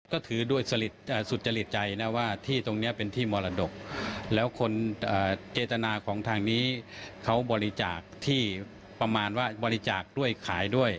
ก็ถือด้วยสุจริตใจนะว่าที่ตรงนี้เป็นที่มรดกแล้วคนเจตนาของทางนี้เขาบริจาคที่ประมาณว่าบริจาคด้วยขายด้วย